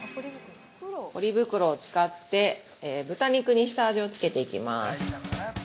ポリ袋を使って豚肉に下味をつけていきます。